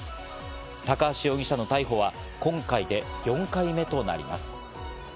高橋容疑者の逮捕は今回で４回目となります。